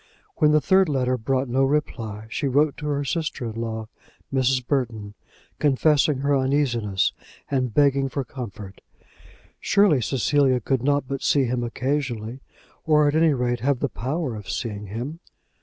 When the third letter brought no reply she wrote to her sister in law, Mrs. Burton, confessing her uneasiness, and begging for comfort. Surely Cecilia could not but see him occasionally, or at any rate have the power of seeing him.